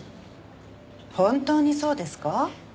本当にそうですか？